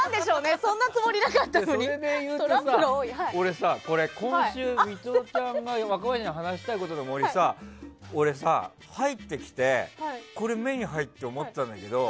それでいうとさ、俺今週水卜ちゃんが若林に話したいことの森がスタジオに入ってきて目に入って思ったんだけど